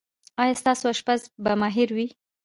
ایا ستاسو اشپز به ماهر وي؟